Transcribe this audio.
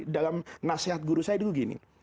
dalam nasihat guru saya dulu gini